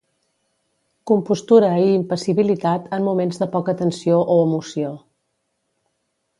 Compostura i impassibilitat en moments de poca tensió o emoció.